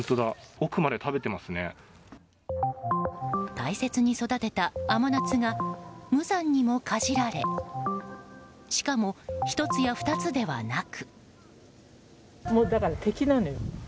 大切に育てた甘夏が無残にもかじられしかも、１つや２つではなく。